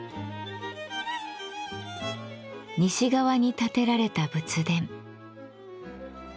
西側に建てられた仏殿。